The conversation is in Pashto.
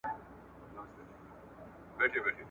پاچهي وه د وطن د دنیادارو !.